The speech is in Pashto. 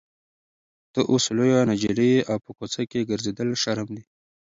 ته اوس لویه نجلۍ یې او په کوڅه کې ګرځېدل شرم دی.